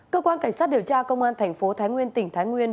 cơ quan cảnh sát điều tra công an tp thái nguyên tỉnh thái nguyên